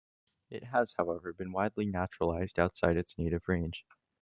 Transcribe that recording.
It has, however, been widely naturalised outside its native range.